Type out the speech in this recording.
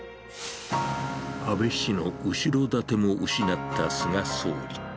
安倍氏の後ろ盾も失った菅総理。